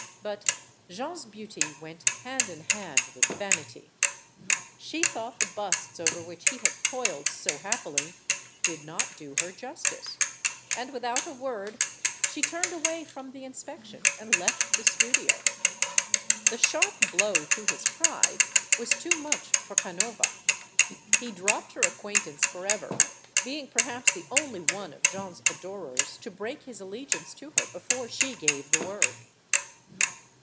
But Jeanne's beauty went hand in hand with vanity. She thought the busts over which he had toiled so happily did not do her justice. And without a word she turned away from the inspection and left the studio. The sharp blow to his pride was too much for Can ova. He dropped her acquaintance forever; being perhaps the only one of Jeanne's adorers to break his allegiance to her before she gave the word.